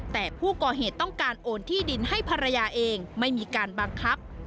แต่ผู้ก่อเหตุต้องการโอนที่ดินให้ภรรยาเองไม่มีการบังคับ